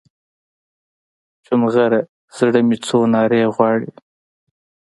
چونغره زړه مې څو نارې غواړي